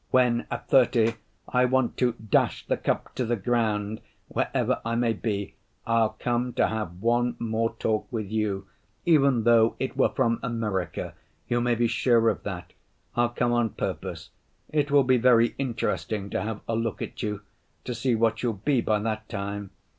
When at thirty, I want to 'dash the cup to the ground,' wherever I may be I'll come to have one more talk with you, even though it were from America, you may be sure of that. I'll come on purpose. It will be very interesting to have a look at you, to see what you'll be by that time.